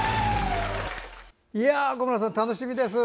小村さん、楽しみです。